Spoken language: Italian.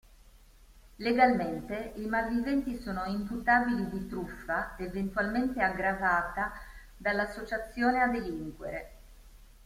Legalmente, i malviventi sono imputabili di truffa, eventualmente aggravata dall'associazione a delinquere.